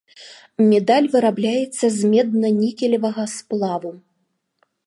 Медаль вырабляецца з медна-нікелевага сплаву.